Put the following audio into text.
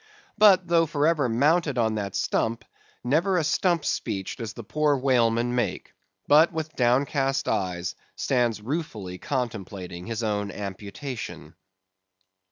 But, though for ever mounted on that stump, never a stump speech does the poor whaleman make; but, with downcast eyes, stands ruefully contemplating his own amputation.